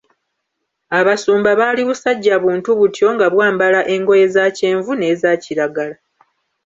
Abasumba baali busajja buntu butyo nga bwambala engoye za kyenvu n'eza kiragala.